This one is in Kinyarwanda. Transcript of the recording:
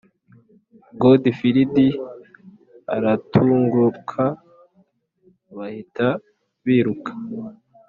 Godifilidi aratunguka bahita biruka